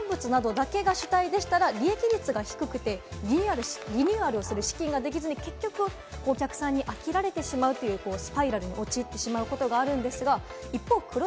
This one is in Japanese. というのもお野菜など農産物などだけが主体では利益率が低くて、リニューアルする資金ができずに、結局お客さんに飽きられてしまうというスパイラルに陥ってしまうことがあるんですが。